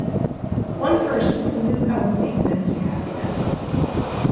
One person who knew how to lead them to happiness.